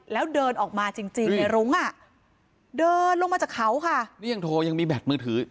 แล้วเดินออกมาจริงจริงในรุ้งอ่ะเดินลงมาจากเขาค่ะนี่ยังโทรยังมีแบตมือถือ